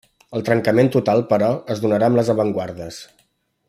El trencament total, però, es donarà amb les avantguardes.